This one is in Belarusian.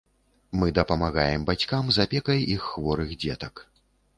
Мы дапамагаем бацькам з апекай іх хворых дзетак.